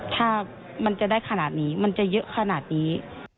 ถ้ามันจะได้ขนาดนี้มันจะเยอะขนาดนี้